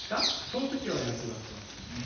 その時は役立ってましたね。